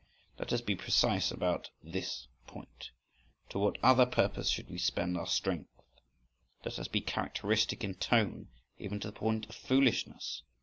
Let us be precise about this point. To what other purpose should we spend our strength? Let us be characteristic in tone even to the point of foolishness!